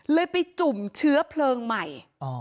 เลยไปจุ่มเชื้อเพลิงใหม่